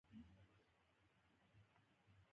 بله سودا نه لري.